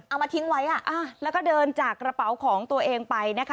เอามาทิ้งไว้แล้วก็เดินจากกระเป๋าของตัวเองไปนะคะ